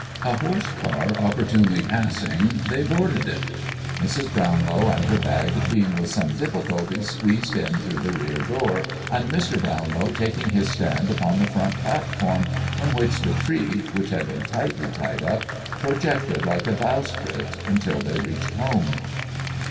A horse car opportunely passing, they boarded it, Mrs. Brownlow and her bag being with some difficulty squeezed in through the rear door, and Mr. Brownlow taking his stand upon the front platform, from which the tree, which had been tightly tied up, projected like a bowsprit, until they reached home.